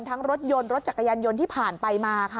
รถยนต์รถจักรยานยนต์ที่ผ่านไปมาค่ะ